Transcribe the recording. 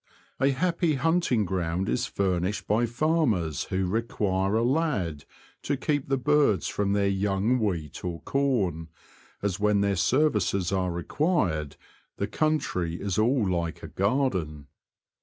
A happy hunting ground is furnished j by farmers who require a lad to keep the birds I from their young wheat or corn, as when their services are required the country is all like a ^ garden.